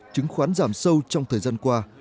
chứng khoán giảm sâu trong thời gian qua